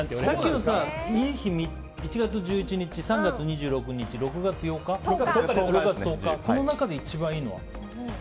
さっきの１月１１日３月２６日、６月１０日でこの中で一番いいのは？